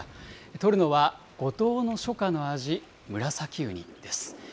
取るのは五島の初夏の味、ムラサキウニです。